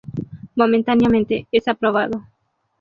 Momentáneamente, es aprobado.